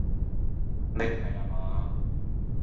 你唔係呀嘛？